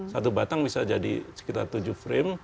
satu batang bisa jadi sekitar tujuh frame